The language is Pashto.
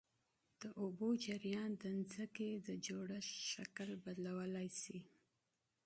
د اوبو جریان د ځمکې د جوړښت شکل بدلولی شي.